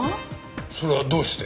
それはどうして？